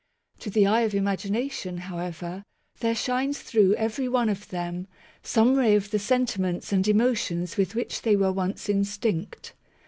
To the eye of ima gination, however, there shines through every one of them, some ray of the sentiments and emotions with which they were once instinct.